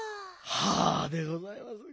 はあでございます。